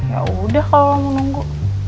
yaudah kalo lo mau nunggu